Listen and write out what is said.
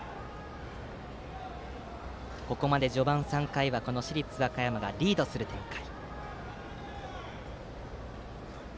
ここまで序盤３回は市立和歌山がリードする展開。